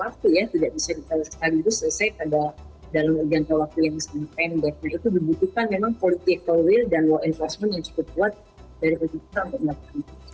nah itu membutuhkan memang political will dan law enforcement yang cukup kuat dari kondisi itu